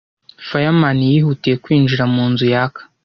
Fireman yihutiye kwinjira mu nzu yaka.